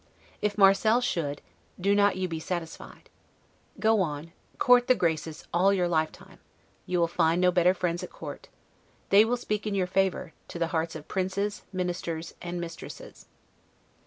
If Marcel should, do not you be satisfied. Go on, court the Graces all your lifetime; you will find no better friends at court: they will speak in your favor, to the hearts of princes, ministers, and mistresses.